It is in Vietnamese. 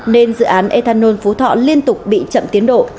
nên dự án ethanol phú thọ liên tục bị chậm tiến độ